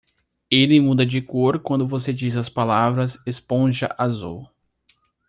Ele muda de cor quando você diz as palavras "esponja azul".